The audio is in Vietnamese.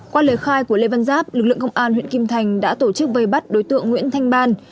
qua lời khai của lê văn giáp lực lượng công an huyện kim thành đã tổ chức vây bắt đối tượng nguyễn thanh ban